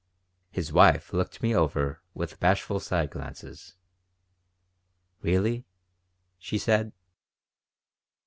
His wife looked me over with bashful side glances. "Really?" she said.